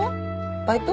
バイト？